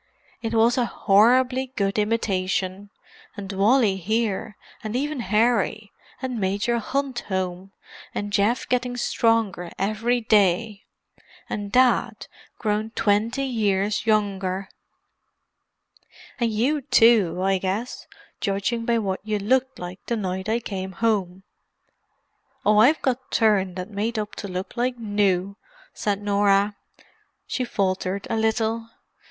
"It was a horribly good imitation. And Wally here, and even Harry; and Major Hunt home; and Geoff getting stronger every day. And Dad grown twenty years younger." "And you too, I guess—judging by what you looked like the night I came home." "Oh, I've got turned and made up to look like new," said Norah. She faltered a little.